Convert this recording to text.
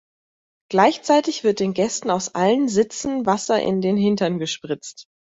Gleichzeitig wird den Gästen aus allen Sitzen Wasser in den Hintern gespritzt.